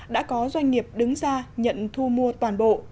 đã có doanh nghiệp đứng ra nhận thu mua toàn bộ